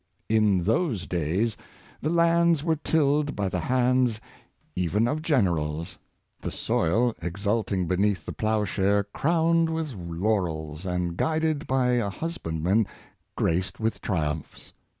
In those days the lands were tilled by the hands even of generals, the soil ex ulting beneath the ploughshare crowned with laurels, and guided by a husbandman graced with triumphs.